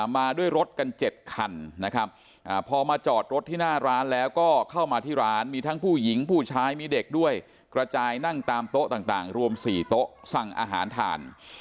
มาด้วยรถกัน๗คันนะครับพอมาจอดรถที่หน้าร้านแล้วก็เข้ามาที่ร้านมีทั้งผู้หญิงผู้ชายมีเด็กด้วยกระจายนั่งตามโต๊ะต่างรวม๔โต๊ะสั่งอาหารทาน